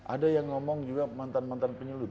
ada yang ngomong juga mantan mantan penyelut